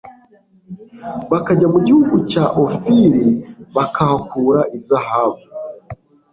bakajya mu gihugu cya ofiri bakahakura izahabu